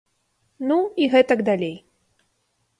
Ну, і гэтак далей.